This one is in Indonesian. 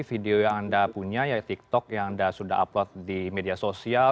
video yang anda punya ya tiktok yang anda sudah upload di media sosial